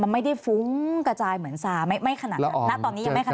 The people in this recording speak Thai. มันไม่ได้ฟุ้งกระจายเหมือนซาไม่ขนาดนั้นณตอนนี้ยังไม่ขนาด